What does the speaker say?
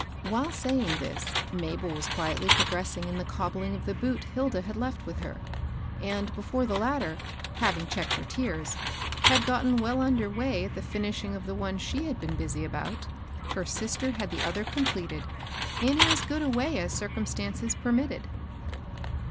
While saying this, Mabel was quietly progress ing in the cobbling of the boot Hilda had left with her; and before the latter, having checked her tears, had gotten well under way at the finishing of the one she had been busy about, her sister had THE OLD BOOTS. 133 ilie other completed, in as good a way as circnm stances permitted.